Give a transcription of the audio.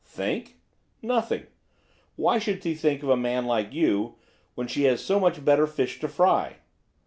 'Think? nothing. Why should she think of a man like you, when she has so much better fish to fry?